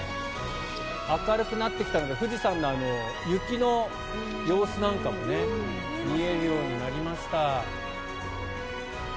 明るくなってきたので富士山の雪の様子なんかも見えるようになりました。